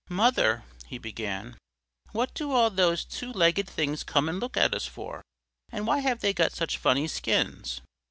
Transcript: "Mother," he began, "what do all these two legged things come and look at us for? And why have they got such funny skins?